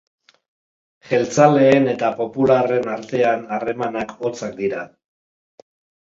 Jeltzaleen eta popularren artean harremanak hotzak dira.